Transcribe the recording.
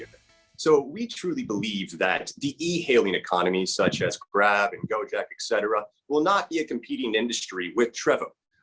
jadi kami benar benar percaya bahwa ekonomi e hailing seperti grab gojek dan lain lain tidak akan menjadi industri yang bergantung dengan trevo